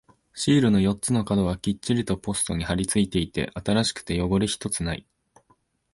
シールの四つの角はきっちりとポストに貼り付いていて、新しくて汚れ一つない。